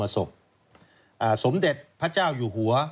ศพสมเด็จพระเจ้าอยู่หัว